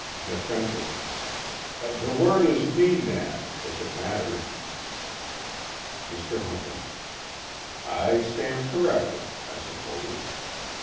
DEFENDANT: The word is "maenad," if it matters. MR. HUNTER: I stand corrected, I suppose.